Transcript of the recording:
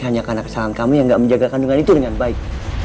hanya karena kesalahan kami yang tidak menjaga kandungan itu dengan baik